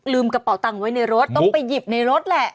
กระเป๋าตังค์ไว้ในรถต้องไปหยิบในรถแหละ